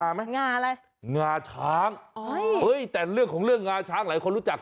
งาอะไรงาช้างแต่เรื่องของงาช้างหลายคนรู้จัก